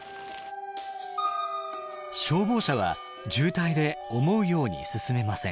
消防車は渋滞で思うように進めません。